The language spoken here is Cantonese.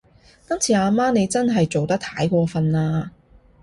今次阿媽你真係做得太過份喇